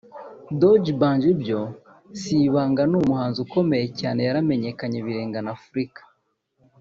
D’banj byo si ibanga ni umuhanzi ukomeye cyane yaramenyekanye birenga na Afurika